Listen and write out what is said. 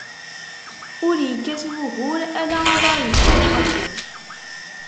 Ur ikkat wugur, ala aḍaṛ yeddan ḥafi.